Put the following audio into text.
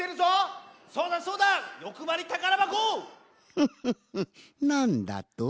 フフフッなんだと？